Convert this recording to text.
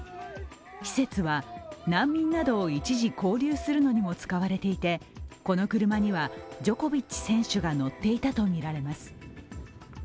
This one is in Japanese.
施設は難民などを一時拘留するのにも使われていてこの車にはジョコビッチ選手が乗っていたとみられます。